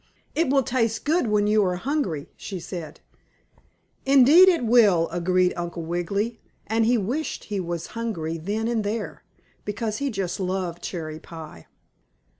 "It will taste good when you are hungry," she said. "Indeed it will," agreed Uncle Wiggily, and he wished he was hungry then and there, because he just loved cherry pie.